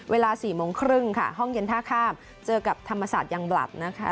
เวลา๔โมงครึ่งค่ะห้องเย็นท่าข้ามเจอกับธรรมศาสตร์ยังบลัดนะคะ